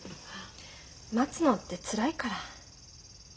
待つのってつらいから。